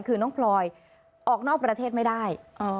คือน้องพลอยออกนอกประเทศไม่ได้